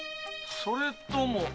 それとも。